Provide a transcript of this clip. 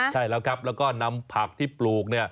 ใช่แล้วครับแล้วก็นำผักที่ปลูกเนี่ย